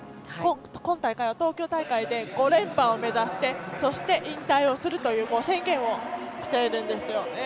今大会、東京大会で５連覇を目指してそして、引退をするという宣言をしているんですよね。